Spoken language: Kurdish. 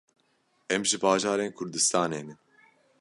Em ji bajarên Kurdistanê ne.